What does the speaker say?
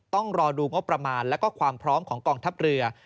ต้องรอดูงบประมาณและความพร้อมของกองทัพเรือ